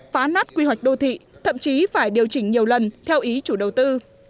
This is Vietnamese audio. phá nát quy hoạch đô thị thậm chí phải điều chỉnh nhiều lần theo ý chủ đầu tư